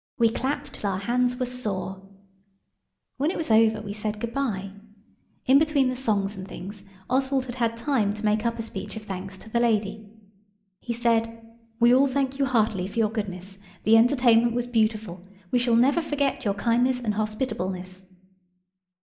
We clapped till our hands were sore. When it was over we said goodbye. In between the songs and things Oswald had had time to make up a speech of thanks to the lady. He said– "We all thank you heartily for your goodness. The entertainment was beautiful. We shall never forget your kindness and hospitableness."